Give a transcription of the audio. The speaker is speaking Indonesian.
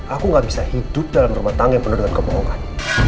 aku gak bisa hidup dalam rumah tangga yang penuh dengan kebohongan